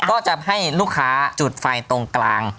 ก็จะให้ลูกค้าจุดไฟตรงกลาง